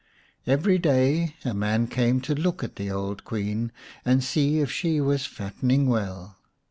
Every day a man came to look at the old Queen and see if she was fattening well.